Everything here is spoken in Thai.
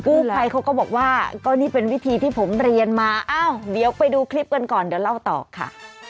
ใครเขาก็บอกว่าก็นี่เป็นวิธีที่ผมเรียนมาอ้าวเดี๋ยวไปดูคลิปกันก่อนเดี๋ยวเล่าต่อค่ะ